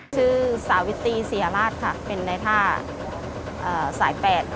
ชื่อสาวิตีสีฮามาศค่ะเป็นนายท่าสายแปด